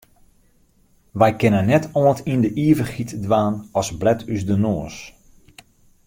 Wy kinne net oant yn de ivichheid dwaan as blet ús de noas.